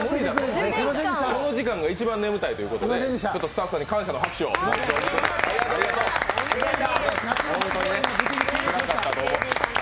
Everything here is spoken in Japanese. この時間が一番眠たいということで、スタッフさんに感謝の拍手を送ってください。